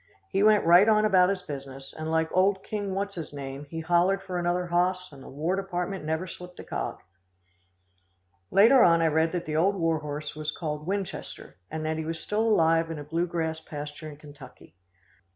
He went right on about his business, and, like old King What's His name he hollered for another hoss, and the War Department never slipped a cog." Later on I read that the old war horse was called Winchester and that he was still alive in a blue grass pasture in Kentucky.